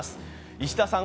石田さん